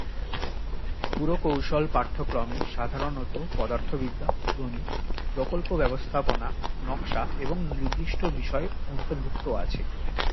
পুরকৌশল পাঠ্যক্রমে সাধারণত পদার্থবিদ্যা, গণিত, প্রকল্প ব্যবস্থাপনা, নকশা এবং নির্দিষ্ট বিষয় অন্তর্ভুক্ত আছে।